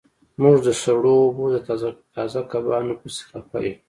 موږ د سړو اوبو د تازه کبانو پسې خفه یو